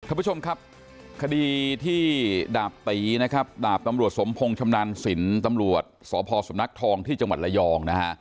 ท่านผู้ชมครับคดีที่ดาบตีนะครับดาบตำรวจสมพงศ์ชำนาญสินตำรวจสพสำนักทองที่จังหวัดระยองนะฮะ